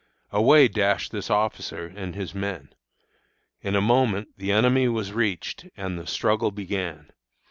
Away dashed this officer and his men. In a moment the enemy was reached, and the struggle began.